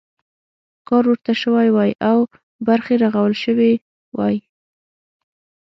کار ورته شوی وای او برخې رغول شوي وای.